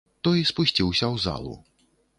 Той спусціўся ў залу.